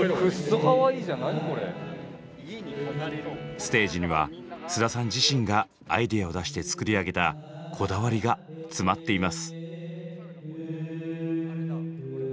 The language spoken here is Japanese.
ステージには菅田さん自身がアイデアを出して作り上げたこだわりが詰まっています。